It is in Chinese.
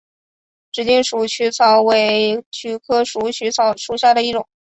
直茎鼠曲草为菊科鼠曲草属下的一个种。